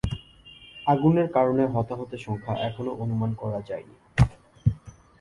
আগুনের কারণে হতাহতের সংখ্যা এখনও অনুমান করা যায়নি।